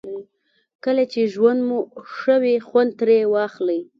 کله چې ژوند مو ښه وي خوند ترې واخلئ.